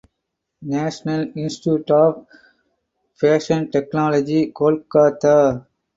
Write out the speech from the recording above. national Institute of Fashion Technology, Kolkata